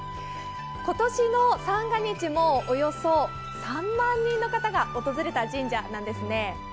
今年の三が日もおよそ３万人の方が訪れた神社なんですね。